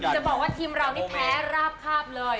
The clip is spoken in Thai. จะบอกว่าทีมเรานี่แพ้ราบคาบเลย